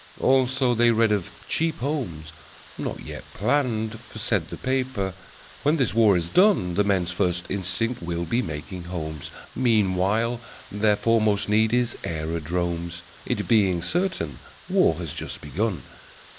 Also, they read of Cheap Homes, not yet planned; For, said the paper, "When this war is done The men's first instinct will be making homes. Meanwhile their foremost need is aerodromes, It being certain war has just begun.